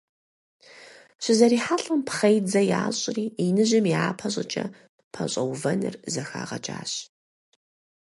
ЩызэрихьэлӀэм, пхъэидзэ ящӀри, иныжьым япэ щӀыкӀэ пэщӀэувэныр зэхагъэкӀащ.